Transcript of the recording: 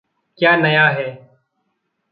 क्या नया है?